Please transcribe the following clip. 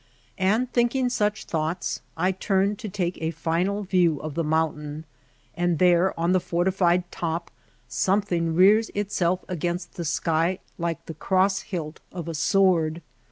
And thinking such thoughts I turn to take a final view of the mountain ; and there on the fortified top something rears itself against the sky like the cross hilt of a sword.